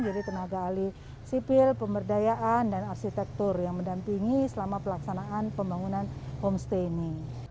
jadi tenaga ahli sipil pemberdayaan dan arsitektur yang mendampingi selama pelaksanaan pembangunan homestay ini